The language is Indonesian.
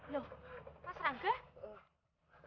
loh mas rangga